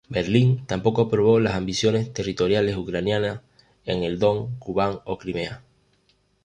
Berlín tampoco aprobó las ambiciones territoriales ucranianas en el Don, Kubán o Crimea.